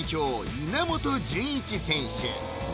稲本潤一選手